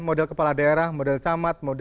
modal kepala daerah modal camat